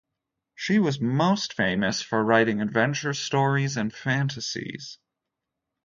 She was most famous for writing adventure stories and fantasies.